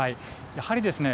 やはりですね